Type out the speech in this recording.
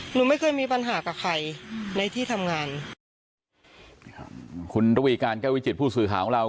หนูไม่เคยมีปัญหากับใครในที่ทำงานคุณระวีการแก้ววิจิตผู้สื่อข่าวของเรา